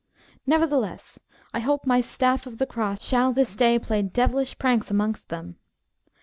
Nevertheless, I hope my staff of the cross shall this day play devilish pranks amongst them.